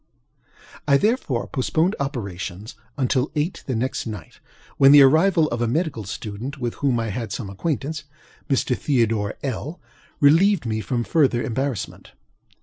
I therefore postponed operations until about eight the next night, when the arrival of a medical student with whom I had some acquaintance, (Mr. Theodore LŌĆöl,) relieved me from farther embarrassment.